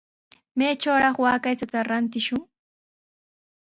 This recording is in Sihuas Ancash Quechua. ¿Maytrawraq waaka aychata rantishwan?